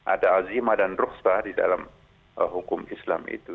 ada alzima dan ruqsah di dalam hukum islam itu